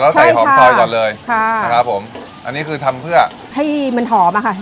แล้วใส่หอมซอยก่อนเลยค่ะนะครับผมอันนี้คือทำเพื่อให้มันหอมอะค่ะ